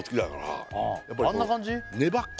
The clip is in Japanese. あんな感じ？